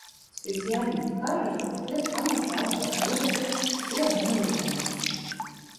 Спецыяліст кажа, што цяпер самы час для продажу ці абмену жылля.